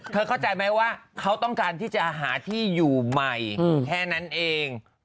เข้าใจไหมว่าเขาต้องการที่จะหาที่อยู่ใหม่แค่นั้นเอง